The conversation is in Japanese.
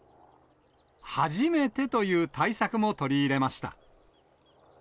初めてという対策も取り入れました。